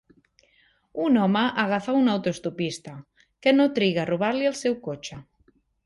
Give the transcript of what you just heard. Un home agafa un autoestopista que no triga a robar-li el seu cotxe.